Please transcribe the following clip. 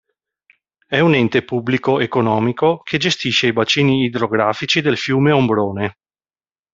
È un ente pubblico economico che gestisce i bacini idrografici del fiume Ombrone.